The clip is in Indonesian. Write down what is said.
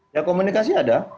ya komunikasi ada